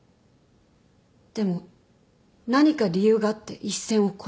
でも何か理由があって一線を越えてしまった。